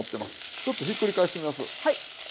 ちょっとひっくり返してみます。